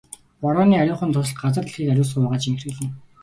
Борооны ариухан дусал газар дэлхийг ариусган угааж энхрийлнэ.